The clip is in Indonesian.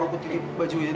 aku titip bajunya dulu